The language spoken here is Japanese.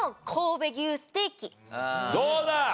どうだ？